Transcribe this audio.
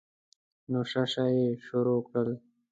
نو شه شه یې شروع کړل.